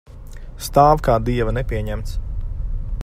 Stāv kā dieva nepieņemts.